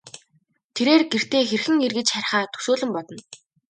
Тэрээр гэртээ хэрхэн эргэж харихаа төсөөлөн бодно.